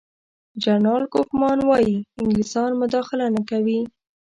جنرال کوفمان وايي انګلیسان مداخله نه کوي.